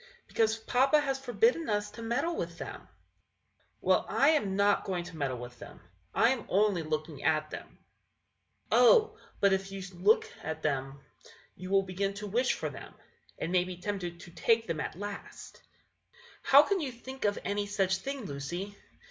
"Because papa has forbidden us to meddle with them." Henry. "Well, I am not going to meddle with them; I am only looking at them." Lucy. "Oh! but if you look much at them, you will begin to wish for them, and may be tempted to take them at last." Henry. "How can you think of any such thing, Lucy?